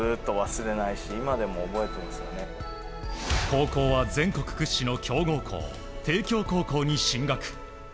高校は全国屈指の強豪校帝京高校に進学。